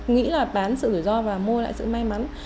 nghĩ là bán sự rủi ro và mua lại sự may mắn